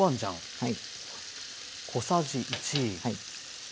はい。